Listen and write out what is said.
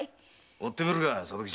追ってみるか佐渡吉。